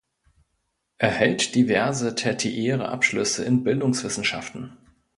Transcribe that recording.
Er hält diverse tertiäre Abschlüsse in Bildungswissenschaften.